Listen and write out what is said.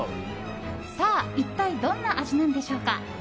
さあ一体どんな味なんでしょうか。